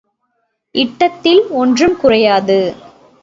இட்டத்தில் ஒன்றும் குறையாது.